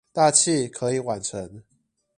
大器可以晚成